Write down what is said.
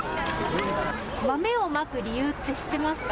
豆をまく理由は知っていますか。